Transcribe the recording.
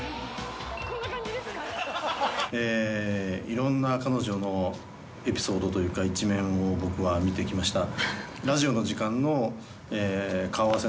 いろんな彼女のエピソードというか一面を僕は見てきました。